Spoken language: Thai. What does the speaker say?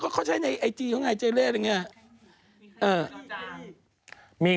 เขาใช้ในไอจีเขาไงเจเล่เรั่งอย่างงี้